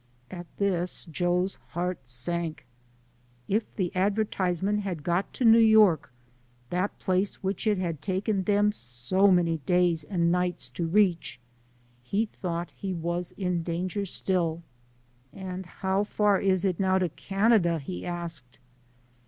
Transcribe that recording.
At this Joe's heart sank. If the adver tisement had got to New York, that place which ii had taken them so many days and nights to reach, lie thought he was in danger still. a And how far is it now to Canada ?" he asked.